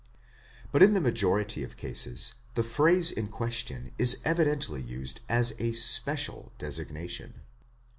But in the majority of cases, the phrase in question is evidently used as a special designation.